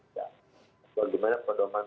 bagaimana pak darmawan